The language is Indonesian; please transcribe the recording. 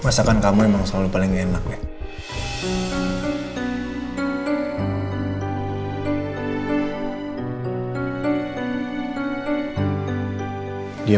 masakan kamu emang selalu paling enak ya